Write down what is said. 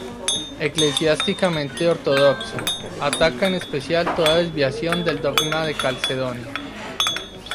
Eclesiásticamente ortodoxo, ataca en especial toda desviación del dogma de Calcedonia.